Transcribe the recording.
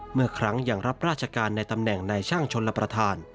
เมื่อครั้งยังรับราชการในตำแหน่งในช่างชนรับประทาน